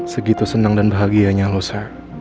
segitu senang dan bahagianya lo sa